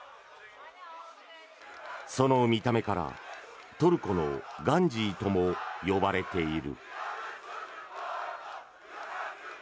その見た目からトルコのガンジーとも呼ばれている。